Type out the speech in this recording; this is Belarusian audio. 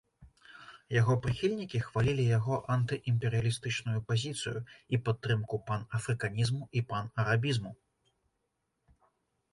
Яго прыхільнікі хвалілі яго антыімперыялістычную пазіцыю і падтрымку панафрыканізму і панарабізму.